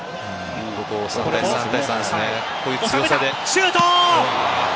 シュート！